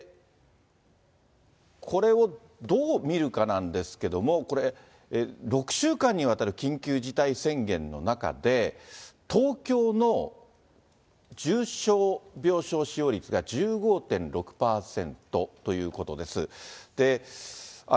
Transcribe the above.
これをどう見るかなんですけれども、これ、６週間にわたる緊急事態宣言の中で、東京の重症病床使用率が１５．６％ということです。